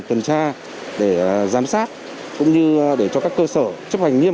tuần tra để giám sát cũng như để cho các cơ sở chấp hành nghiêm